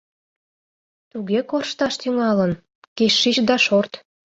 Туге коршташ тӱҥалын — кеч шич да шорт.